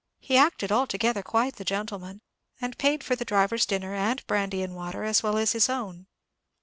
He acted altogether quite the gentleman, and paid for the driver's dinner and brandy and water, as well as his own.